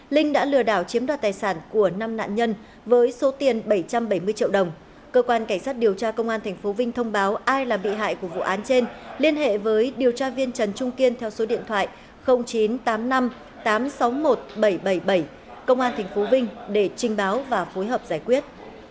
linh đã lừa đảo chiếm đoạt tài sản của năm nạn nhân với số tiền bảy trăm bảy mươi triệu đồng cơ quan cảnh sát điều tra công an tp vinh thông báo ai là bị hại của vụ án trên liên hệ với điều tra viên trần trung kiên theo số điện thoại chín trăm tám mươi năm tám trăm sáu mươi một bảy trăm bảy mươi bảy công an tp vinh để trình báo và phối hợp giải quyết